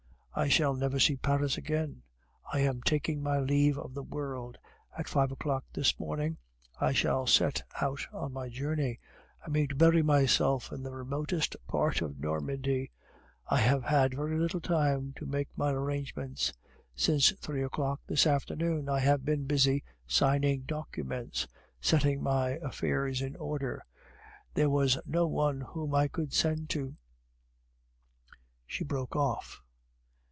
"I shall never see Paris again. I am taking my leave of the world. At five o'clock this morning I shall set out on my journey; I mean to bury myself in the remotest part of Normandy. I have had very little time to make my arrangements; since three o'clock this afternoon I have been busy signing documents, setting my affairs in order; there was no one whom I could send to..." She broke off.